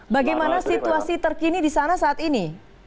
bagaimana situasi terkini di sana saat ini